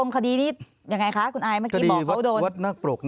พี่มโน